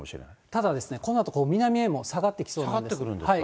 ただですね、このあと南へと下がって来そうなんです。